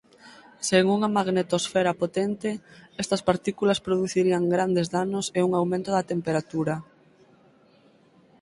Sen unha magnetosfera potente estas partículas producirían grandes danos e un aumento da temperatura.